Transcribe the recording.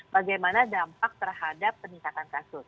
bagaimana dampak terhadap peningkatan kasus